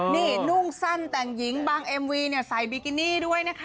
นี่นุ่งสั้นแต่งหญิงบางเอ็มวีเนี่ยใส่บิกินี่ด้วยนะคะ